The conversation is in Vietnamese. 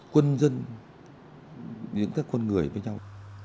quân dân những các con người với nhau